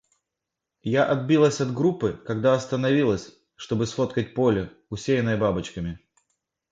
Я отбилась от группы, когда остановилась, чтобы сфоткать поле, усеянное бабочками.